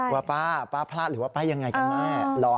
ว่าป้าพลาดหรือว่าป้ายังไงกันแน่